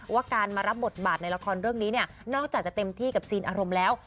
ว่าการมารับบทบาทในละครเรื่องนี้เนี่ยนอกจากจะเต็มที่กับซีนอารมณ์แล้ว